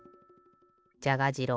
じゃが次郎